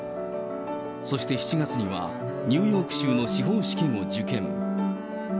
そして７月には、ニューヨーク州の司法試験を受験。